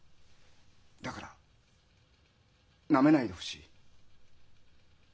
だからなめないでほしい。